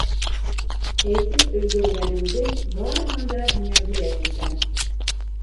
—Әйтеп өлгөргәнемдең барыһын да һиңә бүләк итәм.